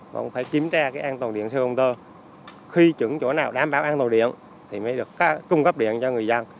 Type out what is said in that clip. cũng phải kiểm tra cái an toàn điện sơ công tơ khi chứng chỗ nào đảm bảo an toàn điện thì mới được cung cấp điện cho người dân